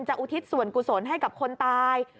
อุทิศส่วนกุศลให้กับคนตาย